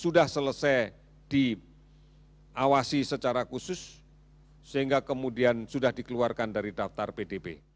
sudah selesai diawasi secara khusus sehingga kemudian sudah dikeluarkan dari daftar pdb